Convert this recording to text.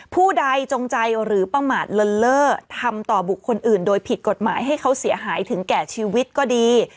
ผู้ใดจงใจหรือประมาทเลินเล่อทำต่อบุคคลอื่นโดยผิดกฎหมายให้เขาเสียหายถึงแก่ชีวิตก็ดี